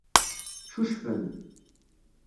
Cucfen.